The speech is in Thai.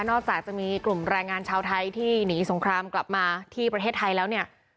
จากจะมีกลุ่มแรงงานชาวไทยที่หนีสงครามกลับมาที่ประเทศไทยแล้วเนี่ย